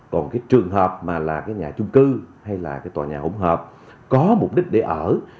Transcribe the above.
còn cái trường hợp mà là cái nhà chung cư hay là cái tòa nhà hỗn hợp có mục đích để ở